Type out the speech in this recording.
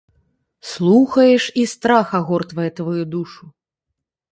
Слухаеш, і страх агортвае тваю душу.